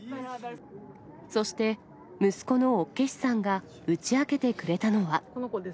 そして、息子のオッケシさんが打ち明けてくれたのは。